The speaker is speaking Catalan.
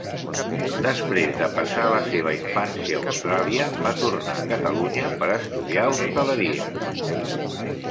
Després de passar la seva infància a Austràlia, va tornar a Catalunya per estudiar hostaleria.